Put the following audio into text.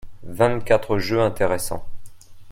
vingt quatre jeux intéréssants.